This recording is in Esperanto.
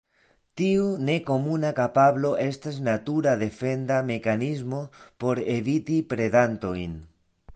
Tiu nekomuna kapablo estas natura defenda mekanismo por eviti predantojn.